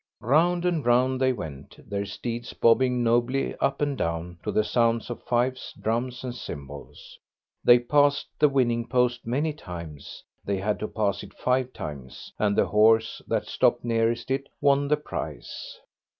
Round and round they went, their steeds bobbing nobly up and down to the sound of fifes, drums and cymbals. They passed the winning post many times; they had to pass it five times, and the horse that stopped nearest it won the prize.